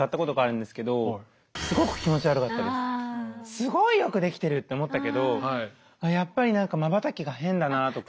すごいよくできてるって思ったけどやっぱり何かまばたきが変だなとか。